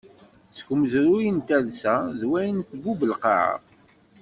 Seg umezruy n talsa d wayen i tbub lqaɛa.